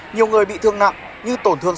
nhiều người bị thương nặng như tổn thương